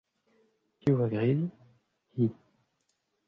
Piv a gredi ?- Hi.